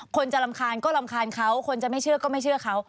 คนจะรำคาญก็รำคาญเขาคนจะไม่เชื่อก็ไม่เชื่อเขา